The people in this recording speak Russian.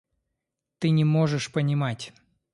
Ты не можешь понимать.